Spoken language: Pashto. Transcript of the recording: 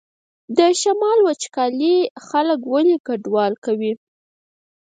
د شمال وچکالي خلک ولې کډوال کوي؟